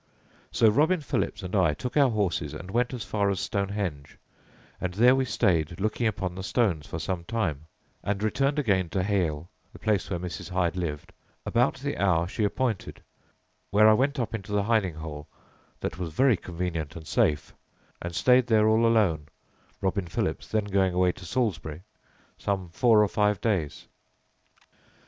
"So Robin Philips and I took our horses and went as far as Stonehenge; and there we staid looking upon the stones for some time, and returned back again to Hale [Heale] (the place where Mrs. Hyde lived) about the hour she appointed; where I went up into the hiding hole, that was very convenient and safe, and staid there all alone (Robin Philips then going away to Salisbury) some four or five days."